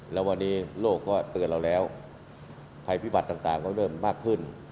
แล้ววันนี้โลกก็เตือนเราแล้วภัยพิบัติต่างก็เริ่มมากขึ้น